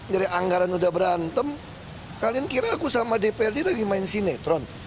jadi anggaran udah berantem kalian kira aku sama dprd lagi main sinetron